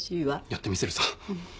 やってみせるさ。